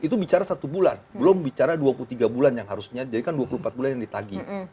itu bicara satu bulan belum bicara dua puluh tiga bulan yang harusnya jadi kan dua puluh empat bulan yang ditagi